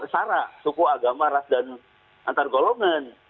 syara suku agama ras dan antargolongan